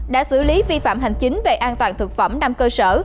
đã xử lý vi phạm hành chính về an toàn thực phẩm năm cơ sở